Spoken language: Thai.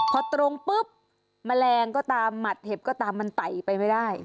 พอตรงปุ๊บแมลงก็ตามหมัดเห็บก็ตามมันไต่ไปไม่ได้